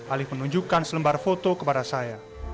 alif menunjukkan selembar foto kepada saya